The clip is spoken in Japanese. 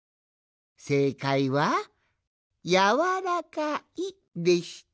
せいかいは「やわらかい」でした。